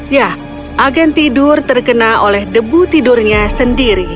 ya agen tidur terkena oleh debu tidurnya sendiri